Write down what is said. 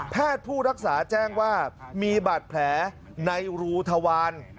ผู้รักษาแจ้งว่ามีบาดแผลในรูทวาร